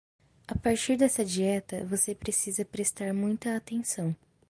A partir desta dieta, você precisa prestar muita atenção.